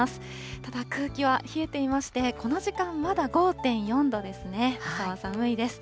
ただ、空気は冷えていまして、この時間、まだ５．４度ですね。